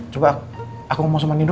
coba aku mau sama nino